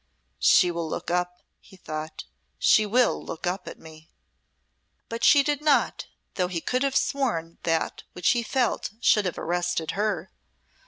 "She will look up," he thought, "she will look up at me." But she did not, though he could have sworn that which he felt should have arrested her.